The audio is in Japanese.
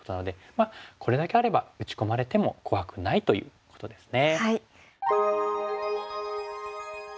まあこれだけあれば打ち込まれても怖くないということですね。